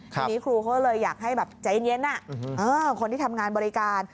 ทีนี้ครูเขาเลยอยากให้แบบใจเย็นคนที่ทำงานบริการ